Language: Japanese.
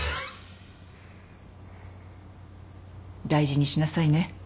大事にしなさいね。